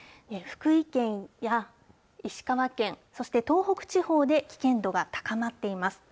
福井県や石川県、そして東北地方で危険度が高まっています。